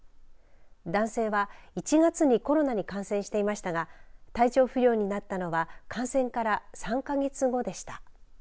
男性は１月にコロナに感染していましたが体調不良になったのは、感染から３か月後でした。